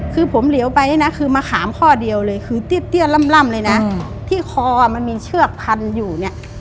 คือผมเหลียวไปเนี่ยนะคือมะขามข้อเดียวเลยคือเตี้ยล่ำเลยนะที่คอมันมีเชือกพันอยู่เนี่ย